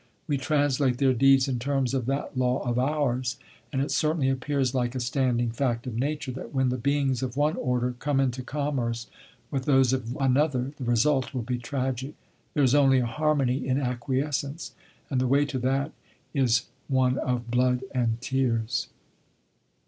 We translate their deeds in terms of that law of ours, and it certainly appears like a standing fact of Nature that when the beings of one order come into commerce with those of another the result will be tragic. There is only a harmony in acquiescence, and the way to that is one of blood and tears.